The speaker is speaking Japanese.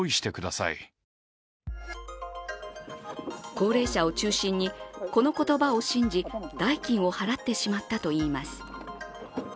高齢者を中心にこの言葉を信じ代金を払ってしまったといいます。